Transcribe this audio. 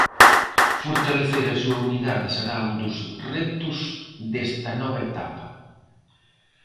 Fortalecer a súa unidade será un dos retos desta nova etapa.